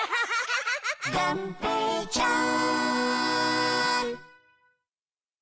「がんぺーちゃん」